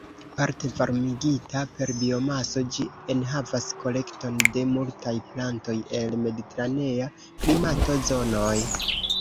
Parte varmigita per biomaso, ĝi enhavas kolekton de multaj plantoj el mediteranea klimato-zonoj.